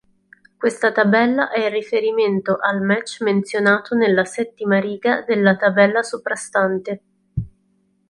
Questa tabella è il riferimento al match menzionato nella settima riga della tabella soprastante.